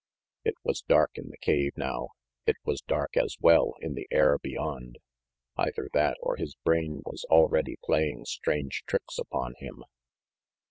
It was dark in the cave now. It was dark, as well, in the air beyond. Either that, or his brain was already playing strange tricks upon him.